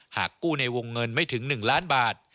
หากกู้ในวงเงินไม่ถึง๑ล้านบาท